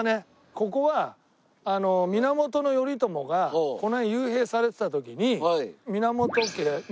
ここは源頼朝がこの辺に幽閉されてた時に源家ま